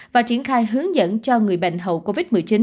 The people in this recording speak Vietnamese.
và triển khai hướng dẫn cho người bệnh hậu covid một mươi chín